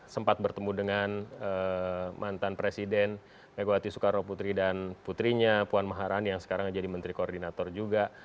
sempat bertemu dengan mantan presiden megawati soekarno putri dan putrinya puan maharani yang sekarang jadi menteri koordinator juga